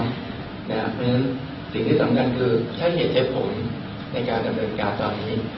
เพราะฉะนั้นสิ่งที่สำคัญคือใช้เหตุใช้ผลในการดำเนินการตอนนี้